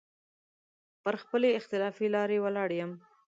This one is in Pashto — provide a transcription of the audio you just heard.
پر خپله اختلافي لاره ولاړ يم.